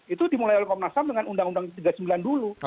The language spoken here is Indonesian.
itu dimulai oleh komnas ham dengan undang undang tiga puluh sembilan dulu